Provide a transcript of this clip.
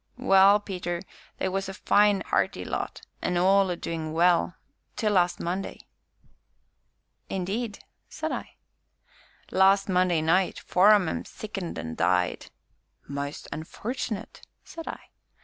"Well, Peter, they was a fine 'earty lot, an' all a doin' well till last Monday." "Indeed!" said I. "Last Monday night, four on 'em sickened an' died!" "Most unfortunate!" said I.